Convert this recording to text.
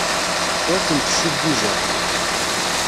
Ur tent-ssiggizeɣ.